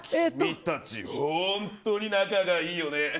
君たち本当に仲がいいよね。